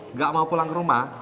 nggak mau pulang ke rumah